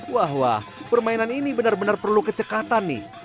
wah wah permainan ini benar benar perlu kecekatan nih